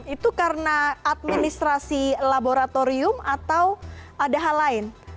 itu karena administrasi laboratorium atau ada hal lain